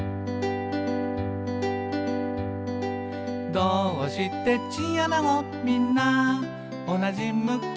「どーうしてチンアナゴみんなおなじ向き？」